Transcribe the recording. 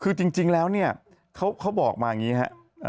คือจริงแล้วเนี่ยเขาบอกมาอย่างนี้ครับ